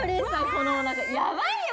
このおなかヤバいよ